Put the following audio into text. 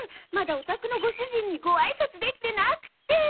まだお宅のご主人にごあいさつできてなくて。